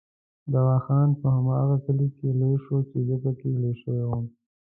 دوا خان په هماغه کلي کې لوی شو چې زه پکې لوی شوی وم.